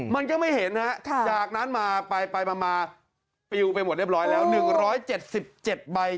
มันก็ไม่เห็นฮะจากนั้นมาไปมาปิวไปหมดเรียบร้อยแล้ว๑๗๗ใบ